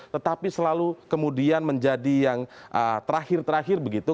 tetapi selalu kemudian menjadi yang terakhir terakhir begitu